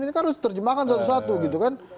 ini kan harus terjemahkan satu satu gitu kan